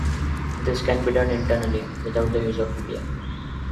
This can be done internally, without the use of media.